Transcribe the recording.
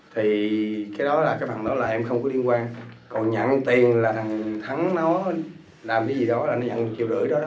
thì cái đó là thằng thắng nói là em không có liên quan còn nhận tiền là thằng thắng nó làm cái gì đó là nó nhận chiều đổi đó